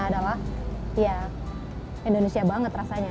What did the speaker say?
adalah ya indonesia banget rasanya